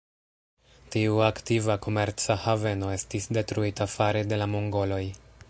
Tiu aktiva komerca haveno estis detruita fare de la mongoloj.